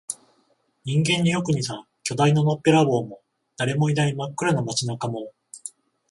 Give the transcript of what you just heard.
人間によく似た巨大なのっぺらぼうも、誰もいない真っ暗な街中も、